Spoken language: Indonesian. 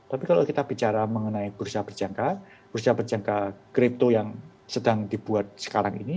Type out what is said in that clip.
tapi kalau kita bicara mengenai bursa berjangka bursa berjangka kripto yang sedang dibuat sekarang ini